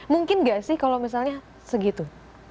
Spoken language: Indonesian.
mungkin nggak sih kalau misalnya segitu